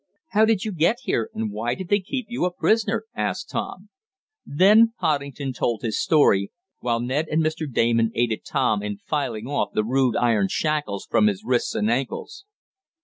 "How did you get here, and why did they keep you a prisoner?" asked Tom. Then Poddington told his story, while Ned and Mr. Damon aided Tom in filing off the rude iron shackles from his wrists and ankles.